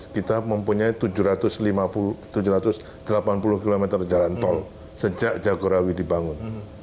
kita mempunyai tujuh ratus delapan puluh km jalan tol sejak jagorawi dibangun